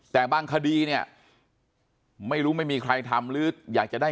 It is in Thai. แต่บางคดีเนี่ยไม่รู้ไม่มีใครทำหรืออยากจะได้